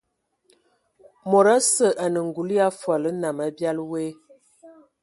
Mod osə anə ngul ya fol nnam abiali woe.